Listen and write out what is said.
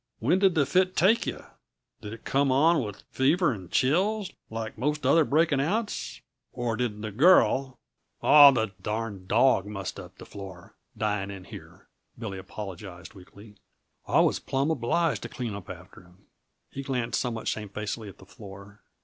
"When did the fit take yuh? Did it come on with fever n' chills, like most other breaking outs? Or, did the girl " "Aw, the darned dawg mussed up the floor, dying in here," Billy apologized weakly. "I was plumb obliged to clean up after him." He glanced somewhat shamefacedly at the floor.